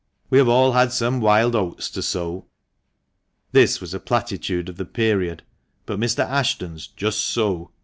We have all had some wild oats to sow." This was a platitude of the period, but Mr. Ash ton's "Just so!"